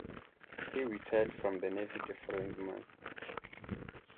He retired from the navy the following month.